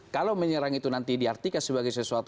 kalau menyerang itu nanti diartikan sebagai sesuatu